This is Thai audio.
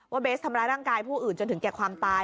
เบสทำร้ายร่างกายผู้อื่นจนถึงแก่ความตาย